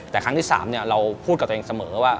แต่ครั้งที่๓เราพูดกับตัวเองเสมอว่า